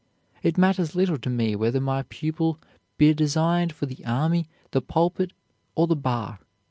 It matters little to me whether my pupil be designed for the army, the pulpit, or the bar.